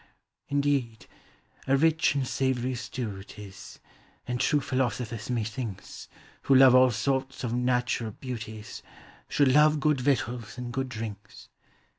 i Indeed, a rich and savory stew Jt is; And true philosophers, methinks, Who love all sorts of natural beauties, Should love good victuals and good drinks.